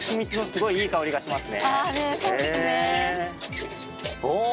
すごいいい香りがします。